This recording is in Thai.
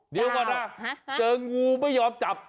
เดี๋ยวก่อนนะเจองูไม่ยอมจับ